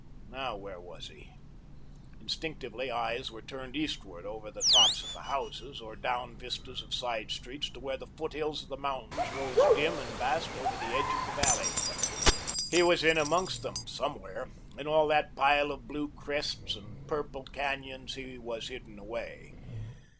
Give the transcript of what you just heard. Now where was he? Instinctively eyes were turned eastward, over the tops of the houses, or down vistas of side streets to where the foot hills of the mountains rose dim and vast over the edge of the valley. He was in amongst them; somewhere, in all that pile of blue crests and purple canyons he was hidden away.